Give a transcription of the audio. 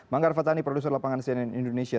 manggar fatani produser lapangan cnn indonesia